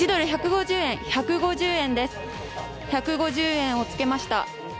１５０円をつけました。